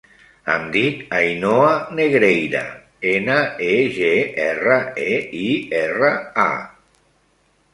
Em dic Ainhoa Negreira: ena, e, ge, erra, e, i, erra, a.